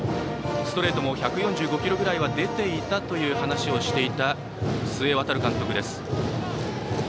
ストレートも１４５キロくらいは出ていたという話をしていた須江航監督です。